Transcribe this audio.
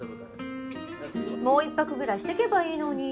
もう１泊ぐらいしてけばいいのに。